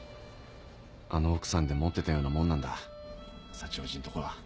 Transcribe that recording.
あの奥さんでもってたようなもんなんださちおじんとこは。